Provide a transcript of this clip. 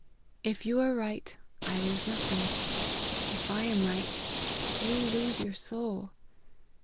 If you are right, I lose nothing ; if I am right, you lose your soul.